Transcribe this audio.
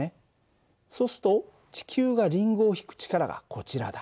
そうすると地球がリンゴを引く力がこちらだ。